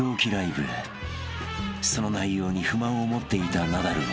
［その内容に不満を持っていたナダルは］